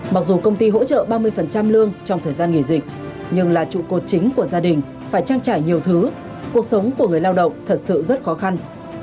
mặc dù công ty hỗ trợ ba mươi lương trong thời gian nghỉ dịch nhưng là trụ cột chính của gia đình phải trang trải nhiều thứ cuộc sống của người lao động thật sự rất khó khăn